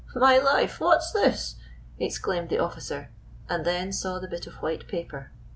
" My life, what 's this ?" exclaimed the officer, and then saw the bit of white paper.